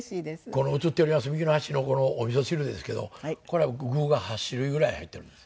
この映ってるやつ右の端のおみそ汁ですけどこれ具が８種類ぐらい入ってるんです。